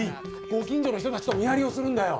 ご近所の人たちと見張りをするんだよ。